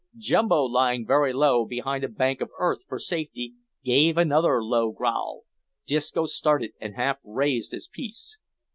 Jumbo, lying very low behind a bank of earth for safety, gave another low growl. Disco started and half raised his piece.